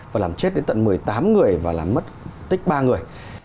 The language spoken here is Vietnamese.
và làm chết đến tận một mươi tám người và làm mất tích ba người